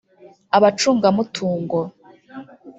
abacungamutungo